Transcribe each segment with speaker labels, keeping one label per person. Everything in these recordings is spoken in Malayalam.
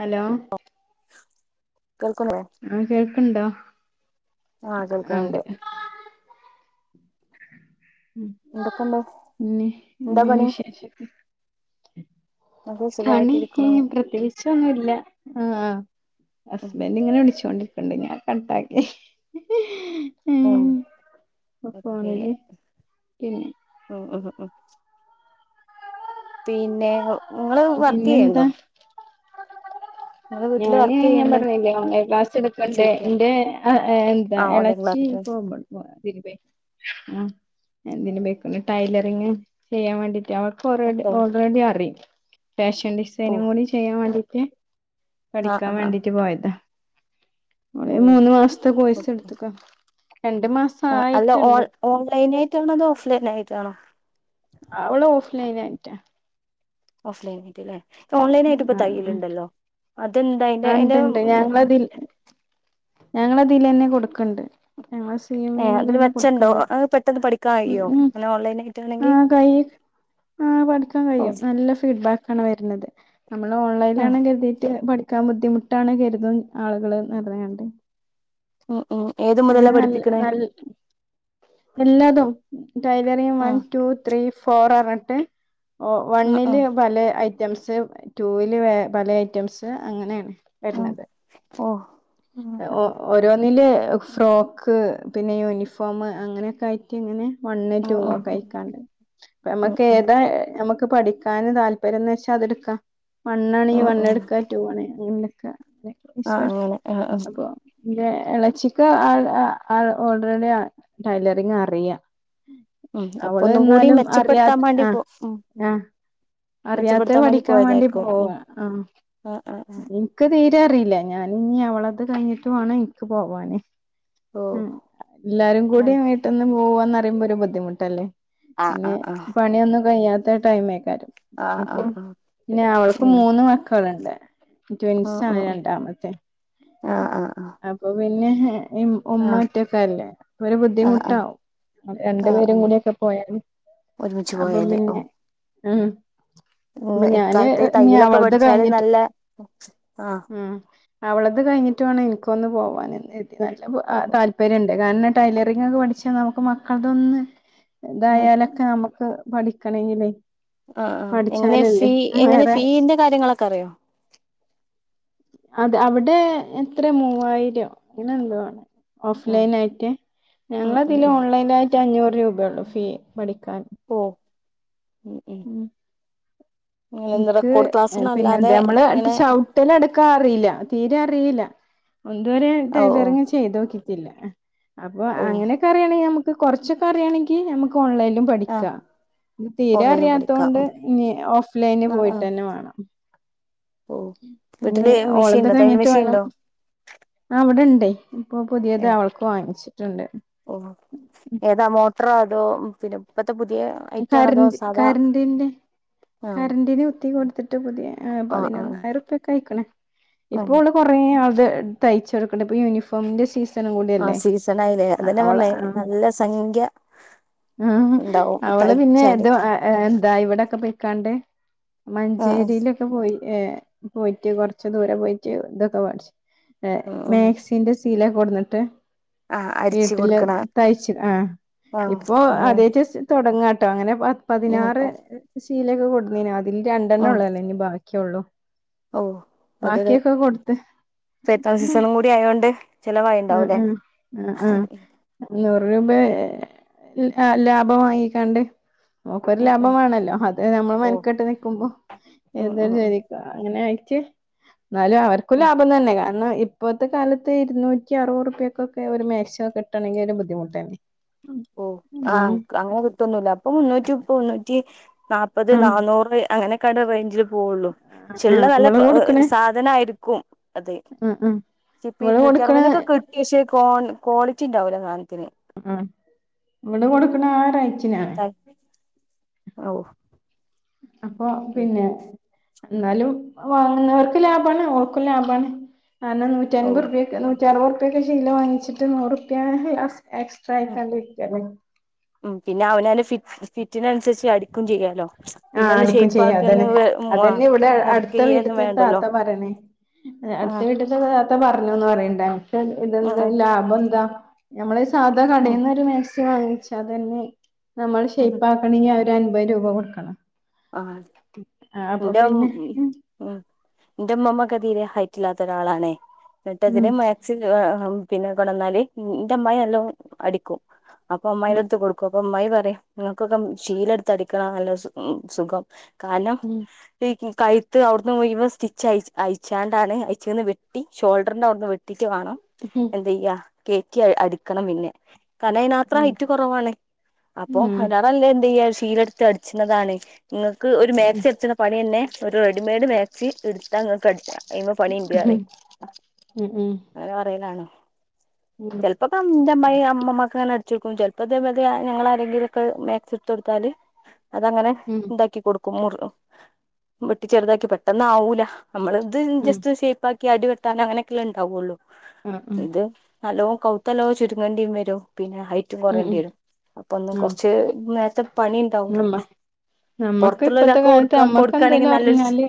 Speaker 1: ഹലോ
Speaker 2: കേൾക്കുണോ
Speaker 1: ഉണ്ടോ?
Speaker 2: ആ കേൾക്കണൊണ്ട്.
Speaker 1: ഉം
Speaker 2: എന്തൊക്കെയുണ്ട്
Speaker 1: പിന്നെ
Speaker 2: എന്താ
Speaker 1: എന്ത
Speaker 2: പണി
Speaker 1: വിശേഷം
Speaker 2: അത്
Speaker 1: പണി ഏ
Speaker 2: സുഖായിട്ടിരിക്കണു
Speaker 1: പ്രത്യേകിച്ചൊന്നുമില്ല. ല്ല ആ
Speaker 2: ഉം
Speaker 1: ഹസ്ബൻഡിങ്ങനെ വിളിച്ചോണ്ടിരി ണ്ട് ഞാൻ കട്ടാക്കി.
Speaker 2: ആ
Speaker 1: ഉം
Speaker 2: ഓക്കെ
Speaker 1: ഫോണില് പിന്നെ
Speaker 2: ഉം ഉം ഉം പിന്നെ, ങ്ങള് വർക്ക് ചെയ്യണ്ടോ?
Speaker 1: പിന്നെന്താ
Speaker 2: നിങ്ങള് വീട്ടില്
Speaker 1: ഞാന്
Speaker 2: വർക്ക്
Speaker 1: ഞാൻ
Speaker 2: ചെയ്യണ്ട
Speaker 1: പറഞ്ഞില്ലേ ഓൺലൈൻ ക്ലാസ് എടുക്കണ്ട്
Speaker 2: ചോദിക്ക
Speaker 1: എന്റെ എ എന്താ
Speaker 2: ആഹ് ഓൺലൈൻ
Speaker 1: എളച്ചി
Speaker 2: ക്ലാസ്
Speaker 1: പോകുമ്പോൾ പോ തിരിപെ ആ എന്തിന് ബേക്ക ടൈലറിങ് ചെയ്യാൻ വേണ്ടിട്ട്, അവക്ക് ഓരോ
Speaker 2: ഓക്കെ
Speaker 1: ഓൾറെഡി അറിയും. ഫാഷൻ
Speaker 2: ഓ
Speaker 1: ഡിസൈനിങ്ങ് കൂടി ചെയ്യാൻ വേണ്ടിട്ട്
Speaker 2: ആഹ്
Speaker 1: പഠിക്കാൻ
Speaker 2: ആഹ് ആഹ്
Speaker 1: വേണ്ടിട്ട് പോയതാ.
Speaker 2: ഓ
Speaker 1: ഓള് മൂന്നു മാസത്തെ കോഴ്സ് എടുത്തിക്ക.
Speaker 2: ആ അല്ല ഓ ഓൺലൈൻ ആയിട്ടാണോ അതോ ഓഫ്‌ലൈൻ ആയിട്ടാണോ?
Speaker 1: ലൈനായിട്ട.
Speaker 2: ഓഫ്‌ലൈൻ ആയിട്ട് അല്ലെ ഓൺലൈൻ ആയിട്ട് ഇപ്പ
Speaker 1: ആ
Speaker 2: തയ്യലുണ്ടല്ലോ അതെ
Speaker 1: ആ ഉണ്ട്ണ്ട് ഞങ്ങളതിൽ ഞങ്ങളതിലന്നെ കൊടുക്കണ്ട്. ഞങ്ങ സ്‌ളീം
Speaker 2: ഏഹ് അതില്
Speaker 1: വീമിലന്നെ
Speaker 2: മെച്ചണ്ടോ
Speaker 1: കൊടുക്കണ്ട
Speaker 2: അത് പെട്ടെന്ന് പഠിക്കാൻ കഴിയോ
Speaker 1: ഉം
Speaker 2: അങ്ങനെ ഓൺലൈൻ
Speaker 1: ആ
Speaker 2: ആയിട്ടാണെങ്കിൽ
Speaker 1: കൈ ആ പഠിക്കാൻ കഴിയും
Speaker 2: ഓ
Speaker 1: നല്ല ഫീഡ്ബാക്ക് ആണ് വരുന്നത് നമ്മള് ഓൺലൈനിലാണെന്ന് കരുതിട്ട് പഠി ക്ക ബുദ്ധിമുട്ടാണ് കരുതും, ആളുകള് നെറേണ്ട്.
Speaker 2: ഉം ഉം ഏത് മുതലാ
Speaker 1: അങ്ങനെ നല്ല
Speaker 2: പഠിപ്പിക്കണേ
Speaker 1: നൽ എല്ലാതും ഡയലറിയും വൺ
Speaker 2: ആഹ്
Speaker 1: ടു ത്രീ ഫോർ ആ റൺ. ഏ,
Speaker 2: ആഹ്
Speaker 1: വണ്ണില്
Speaker 2: ആഹ്
Speaker 1: പലേ ഐ ഐറ്റംസ് ടൂവില് പല ഐറ്റംസ് അങ്ങനെയാണ്
Speaker 2: ആഹ്
Speaker 1: വരുന്നത്
Speaker 2: ഓ ആഹ്
Speaker 1: ഓ ഓരോന്നില് ഫ്രോക്ക് പിന്നെ യൂണിഫോം അങ്ങനെയൊക്കെ ആയിട്ട് ഇങ്ങനെ. വണ് ടു
Speaker 2: ആഹ് ആഹ്
Speaker 1: ഒക്കെ
Speaker 2: ഉം
Speaker 1: ആയിക്കാണ്ട് അപ്പ
Speaker 2: ഉം
Speaker 1: നമ്മക്ക് ഏതാ നമ്മക്ക് ക്ക് പഠിക്കാന് താല്പര്യന്ന് വെച്ചാ അതെടുക്കാം വണ്ണാണെങ്കി
Speaker 2: ഉം ഉം
Speaker 1: വണ്ണെടുക്കാം ടൂ ആണെങ്കി, അങ്ങനൊക്കെ.
Speaker 2: ആഹ്
Speaker 1: [unintelligible]
Speaker 2: അങ്ങനെ ആഹ് ആഹ്
Speaker 1: അപ്പൊ ന്റെ എളേച്ചിക്ക് ആ ആ ഓൾറെഡി ടൈലറിങ്ങ് അറിയാം.
Speaker 2: ഉം അപ്പൊ
Speaker 1: അവള്
Speaker 2: ഒന്നും കൂടി
Speaker 1: എന്നാലും
Speaker 2: മെച്ചപ്പെടുത്താൻ
Speaker 1: അറിയാത്,
Speaker 2: വേണ്ടി
Speaker 1: ആ
Speaker 2: പോ ഉം ഉം
Speaker 1: ആ അറിയാത്ത
Speaker 2: മെച്ചപ്പെടുത്താൻ
Speaker 1: പഠിക്കാൻ വേണ്ടി
Speaker 2: പോയതായിരിക്കും ഉം
Speaker 1: പോവും ആ
Speaker 2: ആഹ് ആഹ് ആഹ്
Speaker 1: എനിക്ക് തീരി [unintelligible] അറിയിലെ ഞാന ഇനി അവളത് കഴിഞ്ഞിട്ട് വാണം ഇൻക്ക് പോവാന്.
Speaker 2: ഓ
Speaker 1: ഉം എല്ലാരും കൂടി
Speaker 2: അങ്ങനെ
Speaker 1: വീട്ടിൽന്ന് പോവന്ന്റിമ്പോ ഒരു ബുദ്ധിമുട്ടല്ലേ?
Speaker 2: ആഹ്
Speaker 1: പിന്നെ
Speaker 2: ആഹ്
Speaker 1: പണിയൊന്നും കഴിയാത്ത ടൈമേക്കാരം.
Speaker 2: ആഹ് ആഹ്
Speaker 1: അപ്പൊ
Speaker 2: ആഹ് ആഹ്
Speaker 1: ന്നെ അവൾക്ക്
Speaker 2: ഉം
Speaker 1: മൂന്ന് മക്കളുണ്ട്.
Speaker 2: ഉം
Speaker 1: ട്വിൻസ്ണ്
Speaker 2: ഉം ഉം
Speaker 1: രണ്ടാമത്തെ
Speaker 2: ആഹ് ആഹ് ആഹ്
Speaker 1: അപ്പൊ പിന്നെ. ഇ
Speaker 2: ആഹ്
Speaker 1: ഉമാറ്റൊക്ക അല്ലേ ഒരു
Speaker 2: ആഹ് ആഹ്
Speaker 1: ബുദ്ധിമുട്ടാാവും. രണ്ടു
Speaker 2: ആഹ്
Speaker 1: പേരും
Speaker 2: ആഹ്
Speaker 1: കൂടിൊക്കെ പോയും
Speaker 2: ഒരുമിച്ച്
Speaker 1: അപ്പം
Speaker 2: പോയാല് ഓ
Speaker 1: പിന്നെ ഉ. അപ്പൊ
Speaker 2: ഇന്ന്
Speaker 1: ഞാന്
Speaker 2: ഇക്കാലത്ത്
Speaker 1: ഇനി
Speaker 2: തയ്യലൊക്കെ
Speaker 1: അവടെ
Speaker 2: പഠിച്ചാല്
Speaker 1: കഴിഞ്ഞിട്ട്
Speaker 2: നല്ല ആഹ്
Speaker 1: ഉം. അവളത് കഴിഞ്ഞിട്ട് വേണം എനിക്കൊന്ന് പോവാന്
Speaker 2: ഓ
Speaker 1: നല്ല താല്പര്യംണ്ട്. നല്ല ടൈലറിഗ് ഒക്കെ പഠിച്ചാ നമുക്ക് മക്കൾതൊന്ന്
Speaker 2: ആഹ്
Speaker 1: ഇതായാലൊക്കെ നമുക്ക്. പഠിക്കണങ്കില്ലേ.
Speaker 2: ആ ആ എങ്ങനെ ഫീ എങ്ങനെ ഫീന്റെ കാര്യങ്ങളൊക്കെ അറിയോ.
Speaker 1: അതെ അവിടെ എത്ര മൂവായിരോ ഇനെന്തോണ്. ഓഫ്
Speaker 2: ആഹ്
Speaker 1: ലൈൻ ആയിട്ട്
Speaker 2: ഉം
Speaker 1: ഞങ്ങള
Speaker 2: ഉം
Speaker 1: ഇതില്
Speaker 2: ഉം
Speaker 1: ഓൺലൈൻ ആയിട്ട് അഞ്ഞൂറ് രൂപയള്ളു ഫീ. പഠിക്കാൻ.
Speaker 2: ഓ
Speaker 1: ഉം.
Speaker 2: അങ്ങനെ എന്താ
Speaker 1: എനിക്ക്
Speaker 2: റെക്കോർഡ് ക്ലാസ്സൊന്നും
Speaker 1: പിന്നെ
Speaker 2: അല്ലാതെ
Speaker 1: എന്താ നമ്മള്്
Speaker 2: ഇങ്ങനെ
Speaker 1: ചവിട്ടല അടുക്കം അറീല്ല തീരെ അറിയില്ല. ഒതുവരെ
Speaker 2: ഓ ഓ
Speaker 1: ടൈലറിങ്ങ് ചെയ്ത് നോക്കിട്ടില്ല അപ്പൊ
Speaker 2: ഓ
Speaker 1: അങ്ങനെയൊക്കെ അറിയണെങ്കിൽ നമുക്ക് കൊറച്ചൊക്കെ അറിയണെങ്കി നമ്മക്ക് ഓൺലൈനിലും
Speaker 2: ആഹ്
Speaker 1: പഠിക്കാ. ഇ
Speaker 2: ഓൺലൈനിൽ പഠിക്കാം
Speaker 1: അറിയാത്തൊണ്ട് ഇഞ്ഞിഓഫ്ലൈനി
Speaker 2: ആഹ് ആഹ്
Speaker 1: പോയിട്ടന്നെ വാണം.
Speaker 2: ഓ
Speaker 1: നീ
Speaker 2: വീട്ടില് മെഷീൻ ഉണ്ടോ തയ്യൽ
Speaker 1: ഓളത്കഴിഞ്ഞിട്ട്
Speaker 2: മെഷീൻ
Speaker 1: വേണം.
Speaker 2: ഉണ്ടോ
Speaker 1: ആ ഇവിടെണ്ടേ ഇപ്പൊ പുതിയത്
Speaker 2: ഓ
Speaker 1: അവൾക്ക് വാങ്ങിച്ചു.
Speaker 2: ഓ ഏതാ മോട്രാ അതോ പിന്നെ ഇപ്പ ഇപ്പത്തെപുതിയ ഐറ്റാണോ അതോ
Speaker 1: കരണ്ട്
Speaker 2: സാധാ
Speaker 1: കരണ്ടിന്റെ
Speaker 2: ആ
Speaker 1: കരണ്ടിന് കുത്തി കൊടുത്തിട്ട് പുതിയ പതിനൊന്നായിരം ഉറുപ്പാക്കെ അയ്ക്ണ്
Speaker 2: ആഹ്
Speaker 1: ഇപ്പോള് കുറേ ത് തയ്ച് കൊടുക്ണ്ട് ഇപ്പോ യൂണിഫോമിന്റെ സീ സ
Speaker 2: ആഹ സീസൺ ആയില്ലേ അതെന്നെ ഞ്ഞാപറഞ്ഞത് നല്ല സംഖ്യ
Speaker 1: ആഹ
Speaker 2: ഉണ്ടാവും
Speaker 1: അ. ഇവള് പിന്നെ
Speaker 2: തയ്ച്ചാല്
Speaker 1: എന്താ ഇവിടെൊക്കെ പോയിക്കാണ്ട്
Speaker 2: ആഹ് ആഹ്
Speaker 1: മഞ്ചേരിയിലൊക്കെ പോയി. ഏ പോയിട്ട് കുറച്ച് ദൂര പോയിട്ട് ഇതൊക്കെ വേടിച്ചു
Speaker 2: ഉം ഉം
Speaker 1: മാക്സിന്റെ സീലേക്ക് കൊടന്നിട്ട്
Speaker 2: ആഹ് അടിച്ചു
Speaker 1: വീട്ടില്
Speaker 2: കൊടുക്കണ
Speaker 1: തയ്ച്ച ആഹ
Speaker 2: ആഹ്
Speaker 1: ഇപ്പൊ
Speaker 2: അങ്ങനെ
Speaker 1: അതേ ട്ട്. തൊടങ്ങാ ട്ടോ അങ്ങനെ പ
Speaker 2: ഉം
Speaker 1: പതിനാറ് ശീലൊക്കെ കൊടുനീനു അതിൽ രണ്ടെണ്ണം
Speaker 2: ഉം
Speaker 1: ഉളോല്ലോ ഇനി ബാക്കി. ഒക്കെ ഉള്ളൂ.
Speaker 2: ഓ അത് [unintelligible] കൂടി ആയതൊണ്ട്
Speaker 1: ആആ ആആ രൂപ ലാഭം വാങ്ങിക്കാണ്ട്. നമുക്കൊരു
Speaker 2: ഉം ഉം
Speaker 1: ലാഭം വേണല്ലോ അത് നമ്മൾ
Speaker 2: ഓ
Speaker 1: മനക്കെട്ട് നൽക്കുമ്പോ
Speaker 2: ഉം
Speaker 1: ഏതൊരു
Speaker 2: ഉം ഉം
Speaker 1: ജോലിക്കും അങ്ങനെയി. റ്റ് ഇന്നാലും അവർക്കും
Speaker 2: ഉം
Speaker 1: ലാഭം തന്നെ കാരണം ഇപ്പോഴത്തെ കാലത്ത് ഇരുന്നൂ റ്റിഅറുവർപ്യേക്കൊക്കെ ഒരു മാക്സി കിട്ടണെങ്കി ഒരു ബുദ്ധിമുട്ടെന്നെ
Speaker 2: ഉം ആഹ് അങ്ങനെ കിട്ടൊന്നൂല്ല അപ്പൊ മുന്നൂറ്റിമുപ്പ മുന്നൂറ്റി നാപ്പത്
Speaker 1: ആഹ്
Speaker 2: നന്നൂറ് അങ്ങനെയൊക്കെയാണ് റൈഞ്ചില് പോവൊള്ളു ക്ഷെ ഇള്ളെ
Speaker 1: ആഹ്
Speaker 2: നല്ല
Speaker 1: ഇങ്ങള് കൊടുക്കണേ
Speaker 2: സാധനായിരിക്കും അത്
Speaker 1: ആഹ് ആഹ്
Speaker 2: ഇപ്പെ
Speaker 1: ഇവള്
Speaker 2: ഇരുന്നൂറ്റി
Speaker 1: കൊടുക്കണ
Speaker 2: അറുവെയി നൊക്കെ കി പക്ഷെ ക്വാൺ ക്വാളിറ്റി ഇണ്ടാവൂല സാനത്തിന്.
Speaker 1: ആഹ് ഇവിടെ കൊട്ക്ക്ണ ആ റൈറ്റിനാണ്.
Speaker 2: ഔഹ്
Speaker 1: അപ്പൊ പിന്നെ. ഇന്നാലും വാങ്ങ്ന്നവർക്ക് ലാഭാണ്. ഓൾക്കും ലാഭാണ്. ആ ഇന്നാ
Speaker 2: ഓ
Speaker 1: നൂറ്റൻമ്പർപ്പേക്ക് നൂറ്റർവ് ഉർപ്പേക്ക് ശീല വാങ്ങിച്ചിട്ട് നൂറുപ്പിയ ലാസ് എക്സ്ട്രായിക്കാണ്ട് ഇരിക്കാല്ലെ
Speaker 2: ഉം പിന്നെ അവനാന്റ ഫിറ്റ് ഫിറ്റിനൻസരിച്ച് അടിക്കും ചെയ്യാല്ലോ.
Speaker 1: ആ അടിക്കും ചെയ്യാ അതന്നെ, അതന്നെ ഇവിടെ അട്ത്ത
Speaker 2: മുറിക്കയൊന്നും
Speaker 1: വീട്ട്ത്ത ഒര്
Speaker 2: വേണ്ടല്ലോ
Speaker 1: താത്ത പറണേ ഏഹ് അട്ത്ത
Speaker 2: ആഹ്
Speaker 1: വീട്ട്ത്ത താത്ത പറ ഞ്ഞുന്ന് പറയണ്ടേ പക്ഷേ, ഇതെന്താ
Speaker 2: ആഹ്
Speaker 1: ലാഭ എന്താ നമ്മള് ഈ സാധാ
Speaker 2: ഉം
Speaker 1: കടേന്ന് ഒര് മേക്സി ക്സി വാങ്ങിച്ചാ അതന്നെ നമ്മള്
Speaker 2: ഉം
Speaker 1: ഷെയിപ്പാക്കണെങ്കി അവര് അൻപത് രൂപ കൊടുക്കണം.
Speaker 2: ആഹ്
Speaker 1: ആഹ് അപ്പൊ
Speaker 2: ഇന്റെ ഉം
Speaker 1: പിന്നെ
Speaker 2: ഉം ഇന്റെ ഇമ്മമ്മക്കെ തീരെ ഹൈറ്റ് ഇല്ലാത്ത ഒരാളാണേ എന്നിട്ട്
Speaker 1: ഉം
Speaker 2: അതിന് മാക്സി [unintelligible] പിന്നെകൊണ്ടന്നാല് ഇന്റെ അമ്മായി നല്ലോ അടിക്കും. അപ്പ
Speaker 1: ഉം
Speaker 2: അമ്മായിന്റട്ത്ത് കൊടുക്കും. അപ്പ അമ്മായി പറയ് ഇങ്ങക്കൊക്കെ മ് ശീലെട്ത്ത് അടിക്ക്ണ നല്ല സുഖം. കാരണം
Speaker 1: ഉം
Speaker 2: ഈ കി കഴുത്ത് അവുട്ന്ന് മുഴുവൻ സ്റ്റിച്ച് അയി അയിച്ചാണ്ടാണ് അയ്ച്ചങ്ങന്ന് വെട്ടി ഷോൾഡറിന്റെ അവ്ട്ന്ന് വെട്ടി റ്റ് വാണം
Speaker 1: ഉം
Speaker 2: എന്ത്യ്യാ കേറ്റി അടിക്കണം പിന്നെ കാരണ അയ്നാത്ര
Speaker 1: ഉം
Speaker 2: ഹൈറ്റ് കൊറവാണ്. അപ്പൊ
Speaker 1: ഉം
Speaker 2: [unintelligible] ലാറെ നല്ലേ എന്ത്യ്യാ ശീലെട്ത്ത് അടിച്ച്ണതാണ്. ഇങ്ങക്ക് ഒരു
Speaker 1: ഉം
Speaker 2: മേക്സി അട്ച്ച്ണ പണി തന്നെ ഒരു റെഡിമെയ്ഡ് മേക്സി എട്ത്താ ഇങ്ങക്ക് അടിക്ക. അയ്മ പണി ഇണ്ട്റിയിം
Speaker 1: ഉം
Speaker 2: അങ്ങനെ പറയിണാണ്.
Speaker 1: ഉം
Speaker 2: ചെൽപ്പക്ക മ് ഇന്റെ അമ്മായി ആഹ് ഇമ്മമ്മാക്ക്ങ്ങനെ അട്ച്ച് കൊട്ക്കും. ചെൽപ്പ ഇതെ മാരി തെ ഞങ്ങള് ആരെങ്കിലൊക്കെ മേക്സി ഇട്ത്ത്ത്തൊട്ത്താല് അതങ്ങനെ
Speaker 1: ഉം
Speaker 2: [unintelligible] വെട്ടി ചെറ്താക്കി പെട്ടെന്ന് ആവൂല. നമ്മള് ഇത്
Speaker 1: ഉം
Speaker 2: ജസ്റ്റ്‌ ഷെയ്പ്പ് ആ അടി [unintelligible] അങ്ങനെയക്കല്ലേ ഉണ്ടാവുള്ളൂ
Speaker 1: ആഹ് ഉം
Speaker 2: ഇത് നലോ കൗത്തലോ ചുരുങ്ങണ്ടി വരും പിന്നെ ഹൈറ്റ്
Speaker 1: ഉം
Speaker 2: കൊറേണ്ടി
Speaker 1: ഉം
Speaker 2: വരും അപ്പ ഒന്നും
Speaker 1: ആഹ്
Speaker 2: കൊറച്ച് നേരത്തെ പണി ഇണ്ടാവും
Speaker 1: നമ്മ നമ്മക്ക്
Speaker 2: പുറത്തുള്ള
Speaker 1: ഇപ്പത്തെ
Speaker 2: ഒരാക്ക്
Speaker 1: കാലത്ത്
Speaker 2: കൊടുക്ക
Speaker 1: നമ്മക്ക്
Speaker 2: കൊടുക്കുകയാണെങ്കിൽ
Speaker 1: എന്തേലും
Speaker 2: നല്ലൊരു
Speaker 1: അറിഞ്ഞാല്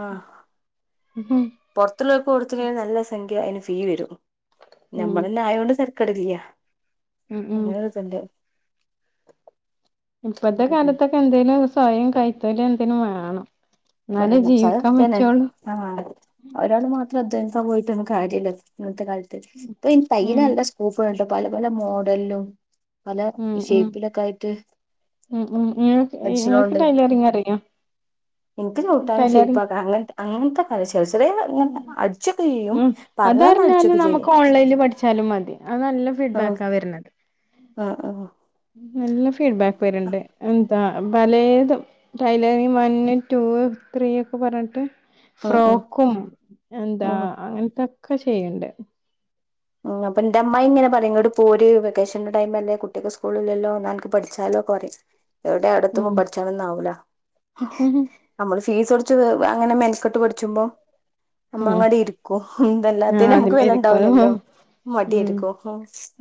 Speaker 2: ആഹ്
Speaker 1: ഉം
Speaker 2: പൊറത്തുള്ളൊക്കെ കൊടുത്തിഞ്ഞാൽ നല്ല സംഖ്യ അതിന് ഫീ വരും
Speaker 1: ഉം
Speaker 2: ഞമ്മളിലിയോണ്ട് തരക്കേടില്ല
Speaker 1: ഉം ഉം
Speaker 2: അങ്ങനെ ഒരിതുണ്ട്
Speaker 1: ഇപ്പത്തെ കാലത്തൊക്കെ എന്തേലും സ്വയം കൈതൊഴില് എന്തേലും വേണം എന്നാലേ ജീവിക്കാൻ
Speaker 2: പറയുന്ന [unintelligible]
Speaker 1: പറ്റുള്ളൂ
Speaker 2: ആ ഒരാള് മാത്ര ശ്രദ്ധ എ പോയിട്ടൊന്നും കാര്യല്ല ഇന്നത്തെ കാലത്ത് ഇപ്പൊ ഈ തയ്യല്
Speaker 1: ഉം
Speaker 2: നല്ല സ്കോപ്പ് ഉണ്ട പല പല മോഡലിലും പല
Speaker 1: ഉം ഉം
Speaker 2: ഷേപ്പിലൊക്കെ ആയിട്ട്
Speaker 1: ഉം ഉം
Speaker 2: അടിച്ചണോണ്ട്
Speaker 1: എനിക്ക് [unintelligible] അറിയാം
Speaker 2: [unintelligible] ഇട്ടാനും ഷേപ്പ് ആക്കാം അങ്ങനത്തെ [unintelligible] [unintelligible] അടിച്ചൊക്കെ ചെയ്യും
Speaker 1: ഉം
Speaker 2: പറഞ്ഞുതന്നാ
Speaker 1: അതറിഞ്ഞാല്
Speaker 2: അടിച്ചൊക്കെ ചെയ്യും
Speaker 1: നമുക്ക് ഓൺലൈനിൽ പഠിച്ചാലും മതി അത് നല്ല ഫീഡ്ബാക്കാ വരുന്നത്
Speaker 2: ആഹ് ആഹ്
Speaker 1: നല്ല ഫീഡ്ബാക്ക് വരുണ്ട് ആ പലേതും ടൈലറിങ് വൺ ടൂ ത്രീ ഒക്കെ പറഞ്ഞിട്ട്
Speaker 2: ഉം ഉം
Speaker 1: ഫ്രോക്കും എന്താ
Speaker 2: ഉം
Speaker 1: അങ്ങനത്തൊക്കെ ചെയ്യ്ണ്ട്
Speaker 2: ഉം അപ്പ എന്റെ അമ്മായി ഇങ്ങനെ പറയും ഇങ്ങട് പോര് വെക്കേഷന്റെ ടൈം അല്ലേ കുട്ടികൾക്ക് സ്കൂളില്ലല്ലോ [unintelligible] പഠിച്ചാല് [unintelligible] ഇവിടെ
Speaker 1: ഉം
Speaker 2: അടുത്തൊന്നും പഠിച്ചാലൊന്നും ആവൂല്ല നമ്മള് ഫീസ് ഒടിച്ച് അങ്ങനെ മെനക്കെട്ട് പഠിച്ചുമ്പോ അമ്മ
Speaker 1: ഉം
Speaker 2: അങ്ങാടി ഇരിക്കും
Speaker 1: ആഹ്
Speaker 2: അല്ലാതേന് നമ്മുക്ക്
Speaker 1: ആദ്യമേരിക്കും അത്
Speaker 2: വിലണ്ടാവൂല്ലല്ലോ
Speaker 1: ഉം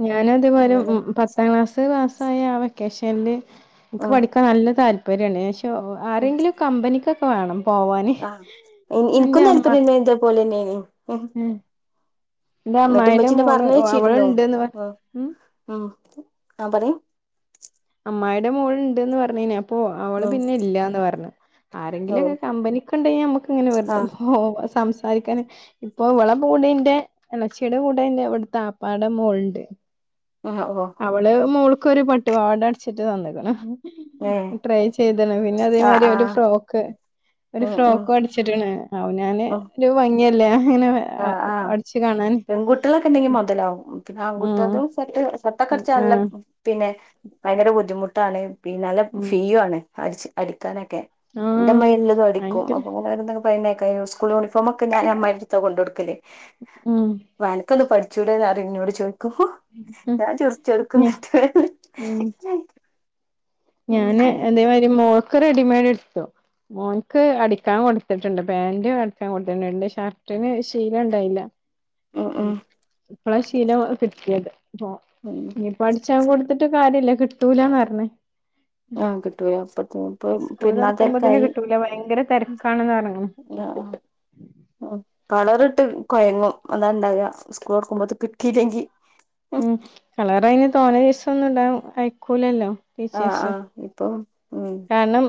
Speaker 1: ഞാനും അതുപോലെ
Speaker 2: അങ്ങനെ
Speaker 1: പത്താം ക്ലാസ് പാസ്സായ ആ വെക്കേഷനിൽ എനിക്ക്
Speaker 2: ആഹ്
Speaker 1: പഠിക്കാൻ നല്ല താല്പര്യാണ് ആരെങ്കിലും കമ്പനിക്കൊക്കെ വേണം പോവാന്
Speaker 2: ആ
Speaker 1: എന്റെ
Speaker 2: എനിക്കും
Speaker 1: അമ്മ
Speaker 2: താല്പര്യ എന്തോ പോലെന്നെയന്
Speaker 1: ഉം എന്റെ അമ്മായിടെ
Speaker 2: എന്നിട്ടിമ്മച്ചീനെ
Speaker 1: മോള്
Speaker 2: പറഞ്ഞ് വെച്ചിരുന്നോ
Speaker 1: അവളുണ്ട്ന്ന് പറ ഉം
Speaker 2: ഉം ആ പറയും
Speaker 1: അമ്മായിയുടെ മോളുണ്ടെന്ന് പറഞ്ഞു കഴിഞ്ഞപ്പൊ അവള്
Speaker 2: ഉം
Speaker 1: പിന്നെ ഇല്ലാന്ന് പറഞ്ഞു
Speaker 2: ഓ
Speaker 1: ആരെങ്കിലൊക്കെ കമ്പനിക്കൊണ്ടെ നമ്മുക്ക് ഇങ്ങനെ വെറുതെ
Speaker 2: ആഹ്
Speaker 1: പോവാം സംസാരിച്ച സംസാരിക്കാൻ ഇപ്പോ ഇവളുടെ കൂടന്റെ എളേച്ചിയുടെ കൂടന്റെ ഇവിടുത്തെ വാപ്പാടെ മോളുണ്ട്
Speaker 2: ആഹ് ഓ
Speaker 1: അവള് മോൾക്കൊരു പട്ടുപവാട അടിച്ചിട്ട് തന്നക്കണ്
Speaker 2: ഏഹ്
Speaker 1: ട്രൈ ചെയ്തണം പിന്നെ
Speaker 2: ആഹ്
Speaker 1: അതേമാരി ഒരു
Speaker 2: ആഹ്
Speaker 1: ഫ്രോക്ക് ഒരു
Speaker 2: ഉം ഉം
Speaker 1: ഫ്രോക്ക് അടിച്ചിട്ടിക്കണ് അവ ഞാന് ഒരു ഭംഗി
Speaker 2: ആ ആ
Speaker 1: കാണാൻ
Speaker 2: പെൺകുട്ടികളൊക്കെ ഉണ്ടെങ്കി മുതലാവും പിന്നെ
Speaker 1: ഉം
Speaker 2: ആൺകുട്ടെതും സെറ്റ ഷർട്ടക്കടിച്ച നല്ല
Speaker 1: ആഹ്
Speaker 2: പിന്നെ ഭയങ്കര ബുദ്ധിമുട്ടാണ് പിന്നെ നല്ല
Speaker 1: ഉം
Speaker 2: ഫീ ആണ് അടിച്ച് അടിക്കാനൊക്കെ എന്റെ
Speaker 1: ആഹ്
Speaker 2: മയിൻ്റില് അടിക്കും
Speaker 1: ഭയങ്കര
Speaker 2: അപ്പൊങ്ങനോരോന്നൊ അയ്നെക്കായും സ്കൂൾ യൂണിഫോമൊക്കെ ഞാൻ അമ്മായീടെടുത്ത കൊണ്ട് കൊടുക്കല്
Speaker 1: ഉം
Speaker 2: വ അനക്കൊന്നു പഠി ച്ചൂടെന്ന് അറി എന്നോട് ചോയ്
Speaker 1: ഉം
Speaker 2: ഞാൻ ചിറിച്ചെടുക്കും എന്നിട്ടേ വേഗം വരും
Speaker 1: ഞാന് അതേമാതിരി മോൾക്ക് റെഡിമെയ്ഡ് എടുത്തു മോൻക്ക് അടിക്കാൻ കൊടുത്തിട്ടുണ്ട് പാൻ്റ് അടിക്കാൻ കൊടുത്തിട്ടുണ്ട് ഷർട്ടിന് ശീല ഉണ്ടായില്ല
Speaker 2: ഉം
Speaker 1: ഉ
Speaker 2: ഉം
Speaker 1: ഇപ്പഴാ ശീല കിട്ടിയത് അപ്പ
Speaker 2: ഉം
Speaker 1: ഇനിയിപ്പോ അടിച്ചാൻ കൊടുത്തിട്ട് കാര്യല്ല കിട്ടൂലാന്ന് പറഞ്ഞ്
Speaker 2: ആഹ് കിട്ടൂല അപ്പത്തിന് ഇപ്പൊ
Speaker 1: സ്കൂൾ
Speaker 2: പെരുന്നാൾ
Speaker 1: തുറക്കുമ്പത്തേന്
Speaker 2: തിരക്കായി
Speaker 1: കിട്ടൂല ഭയങ്കര തിരക്കാണെന്ന് പറങ്ങണ്
Speaker 2: ആ ആ കളറിട്ട് കൊയങ്ങും അതാ ഉണ്ടായ സ്കൂൾ തൊറക്കുമ്പേ അത് കിട്ടിയില്ലെങ്കി
Speaker 1: ഉം കളർ അതിന് തോന ദിവസം ഒന്നും ഇടാൻ അയക്കൂലല്ലോ
Speaker 2: ആ ആ
Speaker 1: ടീച്ചേഴ്സ്
Speaker 2: ഇപ്പൊ
Speaker 1: കാരണം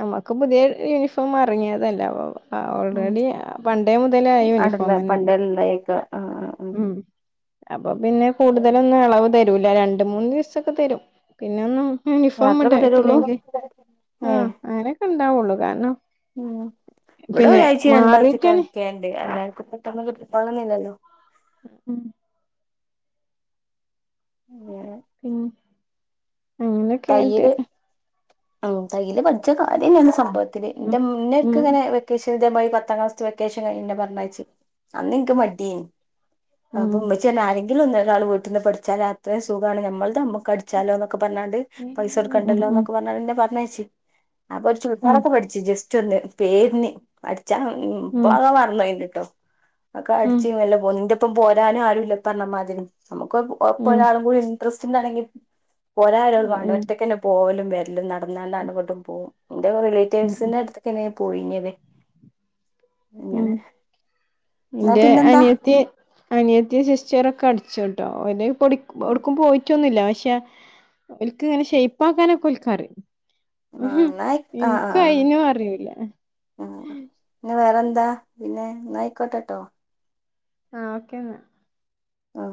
Speaker 1: നമ്മക്ക് പുതിയ യൂണിഫോം ഇറങ്ങിയതല്ലെ അപ്പം ആ
Speaker 2: ഉം
Speaker 1: ഓൾറെഡി പണ്ടേ മുതലേ ആ
Speaker 2: അടല്ല
Speaker 1: യൂണിഫോം തന്നെയാണ്
Speaker 2: പണ്ടല്ലായൊക്കെ ആഹ് ആഹ് ഉം
Speaker 1: മം അപ്പൊ പിന്നെ കൂടുതലൊന്നും ഇളവ് തരൂല രണ്ട് മൂന്ന് ദിവസൊക്കെ തരും പിന്നെ ഒന്നും യൂണിഫോം
Speaker 2: യാത്രൊക്കെ തരുള്ളൂ
Speaker 1: ഉണ്ടായിട്ടില്ലെങ്കി ആ
Speaker 2: ഏഹ്
Speaker 1: അങ്ങനൊക്കെ ഉണ്ടാവുള്ളൂ കാരണം
Speaker 2: ഉം ഇവിടെ
Speaker 1: പിന്നെ
Speaker 2: ഒരാഴ്ചയും രണ്ടാഴ്ചൊക്കെ
Speaker 1: മാറിട്ടാണ്
Speaker 2: നിക്കേണ്ട് അല്ലാതെ പെട്ടെന്ന് കിട്ടിക്കോളണം എന്നില്ലല്ലോ
Speaker 1: ഉം
Speaker 2: അങ്ങനെ
Speaker 1: പിന്നെ അങ്ങനെയൊക്കെ ആയിട്ട്
Speaker 2: ഓ തയ്യില് പഠിച്ച കാര്യം തന്നെ സംഭവത്തില്
Speaker 1: ഉം
Speaker 2: എൻ്റെ മുന്നേ എനക്ക്
Speaker 1: ഉം
Speaker 2: ഇങ്ങനെ വെക്കേഷൻ ൻ്റമ്മായിപത്താം ക്ലാസിലെ വെക്കേഷൻ കഴിഞ്ഞെന്നെ പറഞ്ഞയച്ച് അന്നെനിക്ക് മടിയെന്
Speaker 1: ഉം
Speaker 2: അപ്പ ഉമ്മച്ചി പറഞ്ഞ് ആരെങ്കിലും ഒന്ന ഒരാള് പോയീട്ടൊന്ന് പഠിച്ചാല് അത്രയും സുഖാണ് ഞമ്മളുടെ നമ്മക്ക് കടിച്ചാലോന്നൊക്കെ പറഞ്ഞാണ്ട് പൈസ
Speaker 1: ഉം ഉം
Speaker 2: കൊടുക്കണ്ടല്ലോ
Speaker 1: ഉം
Speaker 2: എന്നൊക്കെ പറഞ്ഞണ്ട് എന്നെ പറഞ്ഞേയച്ച് അപ്പൊ ഒരു
Speaker 1: ഉം
Speaker 2: ചുരിദാറൊക്കെ പഠിച്ചു ജസ്റ്റ് ഒന്ന് പേരിന് പഠിച്ചാ
Speaker 1: ഉം
Speaker 2: ഇപ്പക്കെ മറന്നു പോയിന്ന ട്ടോ ഒക്കെ
Speaker 1: ഉം
Speaker 2: അടിച്ച് വല്ല പൊന്നിന്റെപ്പം പോരാനും ആരും ഇല്ല ഈ പറഞ്ഞമാതിരി നമുക്ക് ഒ ഒപ്പ
Speaker 1: ഉം
Speaker 2: ഒരാളും കൂടി ഇൻട്രസ്റ്റ്ന്നാണെങ്കി പോരാ ഒരാളും വേണ്ട
Speaker 1: ഉം
Speaker 2: ഒറ്റക്കന്നെ പോകലും വരലും നടന്നെല്ലാ അങ്ങോട്ടും ഇങ്ങോട്ടും പോവും എന്റെ
Speaker 1: ഉം
Speaker 2: റിലേറ്റീവ്സിന്റെ അടുത്തേക്കിനി പോയിങ്ങല്
Speaker 1: ഉം എന്റെ
Speaker 2: പിന്നെന്താ
Speaker 1: അനിയത്തി അനിയത്തി സിസ്റ്ററൊക്കെ അടിച്ചോ ട്ടോ ഒന് പഠി
Speaker 2: ആഹ്
Speaker 1: എവിടേക്കും പോയിട്ടൊന്നൂല്ല അവൻ പക്ഷെ ഓൽക്ക് ഇങ്ങനെ ഷെയ്പ്പ് ആക്കാനൊക്കെ ഓൽക്കറിയും
Speaker 2: എന്നാ ആഹ്
Speaker 1: എനിക്ക്
Speaker 2: ആഹ്
Speaker 1: അയിനും അറിയൂല്ല
Speaker 2: എന്താ പിന്നെ എന്നായിക്കോട്ടെട്ടോ.
Speaker 1: ആ ഓക്കെന്നാ.
Speaker 2: ആ